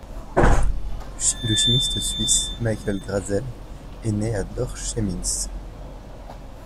Le chimiste suisse Michael Grätzel est né à Dorfchemnitz.